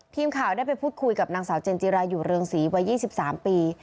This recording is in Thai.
ทีมข่าวได้ไปพูดคุยกับนางสาวเจนจิราอยู่เรืองศรีวัย๒๓ปี